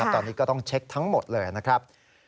ตอนนี้ก็ต้องเช็คทั้งหมดเลยนะครับ